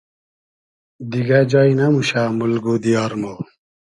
دیگۂ جای نئموشۂ مولگ و دیار مۉ